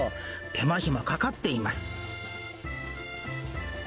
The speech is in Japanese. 手間暇かかっています。